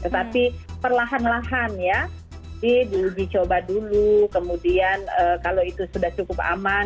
tetapi perlahan lahan ya jadi diuji coba dulu kemudian kalau itu sudah cukup aman